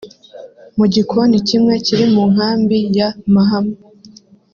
Mu gikoni kimwe kiri mu nkambi ya Mahama